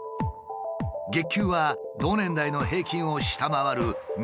月給は同年代の平均を下回る